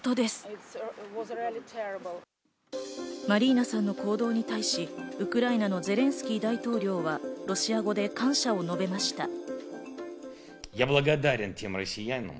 マリーナさんの行動に対し、ウクライナのゼレンスキー大統領はロシア語で感謝を述べました。